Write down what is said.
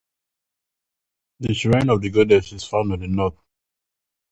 The shrine of the Goddess is found in the north.